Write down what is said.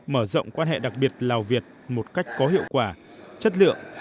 mở rộng quan hệ đặc biệt lào việt một cách có hiệu quả chất lượng